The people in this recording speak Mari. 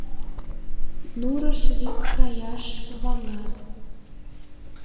Нурыш вик каяш ваҥат.